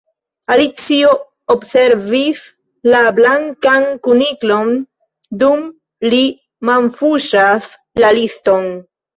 Alicio observis la Blankan Kuniklon, dum li manfuŝas la liston.